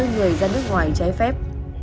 nước ngoài trái phép